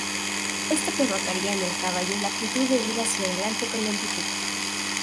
Esto provocará en el caballo la actitud de ir hacia adelante con lentitud.